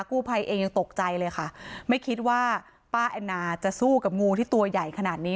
กู้ภัยเองยังตกใจเลยค่ะไม่คิดว่าป้าแอนนาจะสู้กับงูที่ตัวใหญ่ขนาดนี้